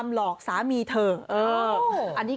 ครูปุ้มสัตว์สินค้า